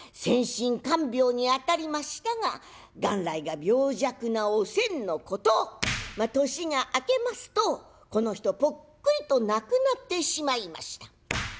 専心看病に当たりましたが元来が病弱なおせんのこと年が明けますとこの人ぽっくりと亡くなってしまいました。